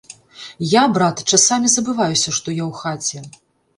Я, брат, часамі забываюся, што я ў хаце.